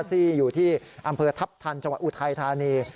ที่อยู่ที่อำเภอทัพทันจังหวัดอุทัยธานี